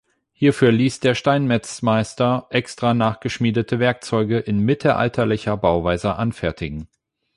Hierfür ließ der Steinmetzmeister extra nachgeschmiedete Werkzeuge in mittelalterlicher Bauweise anfertigen.